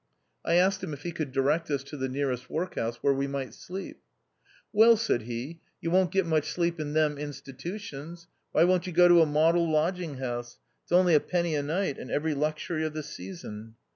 I asked him if he could direct us to the nearest work house, where we might sleep. " Well," said he, " you won't get much sleep in them institutions. Why won't you go to a model lodging house ? It's only a penny a night, and every luxury of the season."